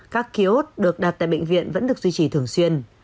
các ký ốt được đặt tại bệnh viện vẫn được duy trì thường xuyên